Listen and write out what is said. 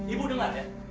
ibu denger ya